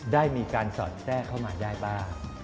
ได้มีการสอดแทรกเข้ามาได้บ้าง